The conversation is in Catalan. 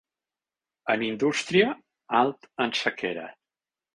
En indústria, alt en sequera.